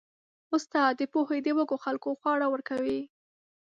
استاد د پوهې د وږو خلکو خواړه ورکوي.